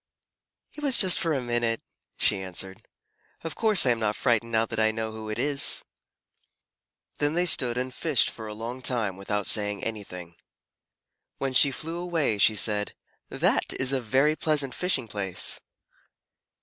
"It was just for a minute," she answered. "Of course I am not frightened now that I know who it is." Then they stood and fished for a long time without saying anything. When she flew away, she said, "That is a very pleasant fishing place."